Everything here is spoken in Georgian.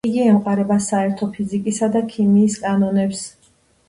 იგი ემყარება საერთო ფიზიკისა და ქიმიის კანონებს.